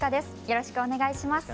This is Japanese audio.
よろしくお願いします。